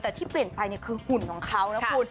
แต่ที่เปลี่ยนไปเนี้ยคือหุ่นของเขานะครับ